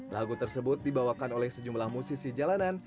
lagu tersebut dibawakan oleh sejumlah musisi jalanan